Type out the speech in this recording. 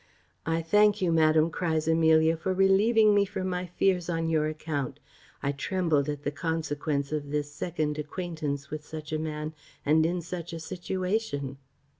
"I thank you, madam," cries Amelia, "for relieving me from my fears on your account; I trembled at the consequence of this second acquaintance with such a man, and in such a situation."